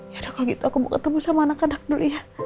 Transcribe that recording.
yaudah kalau gitu aku ketemu sama anak anak dulu ya